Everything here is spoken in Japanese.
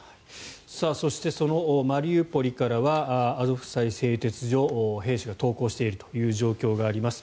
そしてそのマリウポリからはアゾフスタリ製鉄所兵士が投降しているという状況があります。